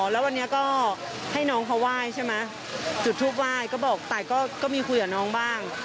แล้ววันนี้ก็ให้น้องเขาไหว้ใช่ไหมจุดทูปไหว้ก็บอกตายก็มีคุยกับน้องบ้าง